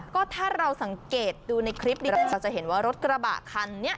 ก็ถ้าเราสังเกตดูในคลิปเราจะเห็นว่ารถกระบะคันนี้